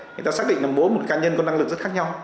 người ta xác định là mỗi một cá nhân có năng lực rất khác nhau